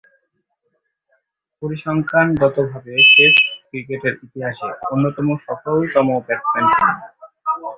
পরিসংখ্যানগতভাবে test ক্রিকেটের ইতিহাসে অন্যতম সফলতম ব্যাটসম্যান ছিলেন।